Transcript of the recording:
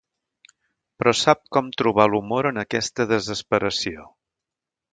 Però sap com trobar l"humor en aquesta desesperació.